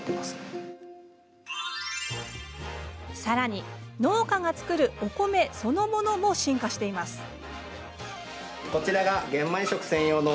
さらに、農家が作るお米そのものも進化しています。